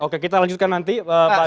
oke kita lanjutkan nanti pak